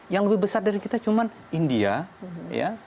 yang lebih besar dari kita cuma india ya